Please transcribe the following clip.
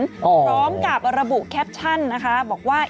พร้อมกับระบุแคปชั่นนะคะบอกว่า